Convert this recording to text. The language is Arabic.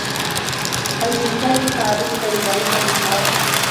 هل بإمكاني مساعدتك بطريقة ما؟